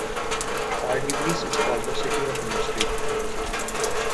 Pardubice is called the city of industry.